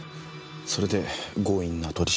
それで強引な取り調べを。